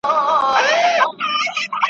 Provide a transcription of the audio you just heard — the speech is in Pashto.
دا یو وصیت لرمه قبلوې یې او که نه `